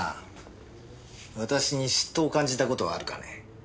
私に嫉妬を感じた事はあるかね？